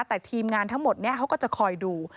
แต่ทีมงานทั้งหมดนี้เขาก็จะคอยดู